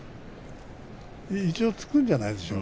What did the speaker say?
一応突くんじゃないですか。